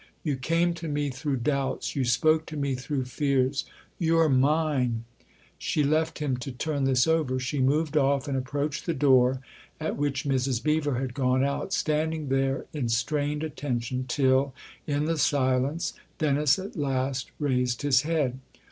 You came to me through doubts you spoke to me through fears. You're mine !" She left him to turn this over ; she moved off and approached the door at which Mrs. Beever had gone out, standing there in strained attention till, in the silence, Dennis at last raised his head.